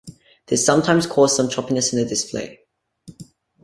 This sometimes caused some choppiness in the display.